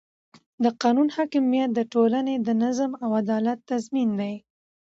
د قانون حاکمیت د ټولنې د نظم او عدالت تضمین دی